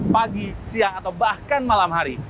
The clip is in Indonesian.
pagi siang atau bahkan malam hari